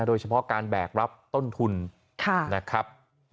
โดยเฉพาะการแบกรับต้นทุนนะครับ